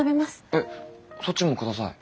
えっそっちも下さい。